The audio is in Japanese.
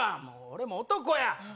もう俺も男や！